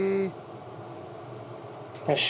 よし。